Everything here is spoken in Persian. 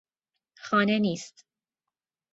خانه نیست.